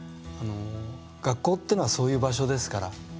学校っていうのはそういう場所ですから。